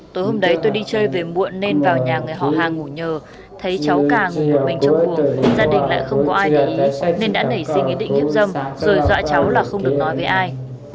tối hôm đấy tôi đi chơi về muộn nên vào nhà người họ hàng ngủ nhờ thấy cháu càng một mình trong buồng gia đình lại không có ai nên đã nảy sinh ý định hiếp dâm rồi dọa cháu là không được nói với ai